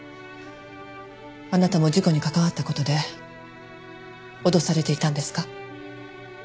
あなたも事故に関わった事で脅されていたんですか？